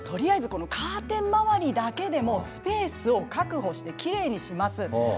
とりあえずカーテン周りだけでもスペースを確保してきれいにします。